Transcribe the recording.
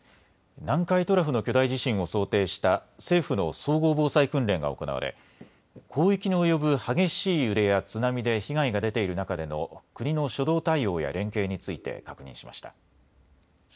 南海トラフの巨大地震を想定した政府の総合防災訓練が行われ広域に及ぶ激しい揺れや津波で被害が出ている中での国の初動対応や連携について確認しました。